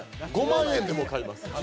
５万円でも買います。